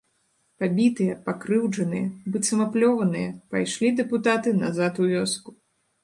Пабітыя, пакрыўджаныя, быццам аплёваныя, пайшлі дэпутаты назад у вёску.